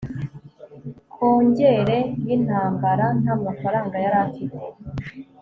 kongere yintambara ntamafaranga yari afite